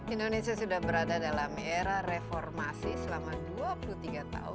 indonesia sudah berada dalam era reformasi selama dua puluh tiga tahun